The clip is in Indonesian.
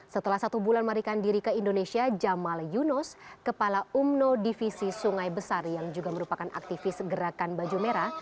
setelah satu bulan marikan diri ke indonesia jamal yunus kepala umno divisi sungai besar yang juga merupakan aktivis gerakan baju merah